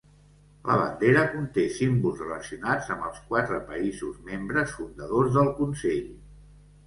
La bandera conté símbols relacionats amb els quatre països membres fundadors del Consell.